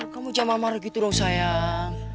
kamu jam amarah gitu dong sayang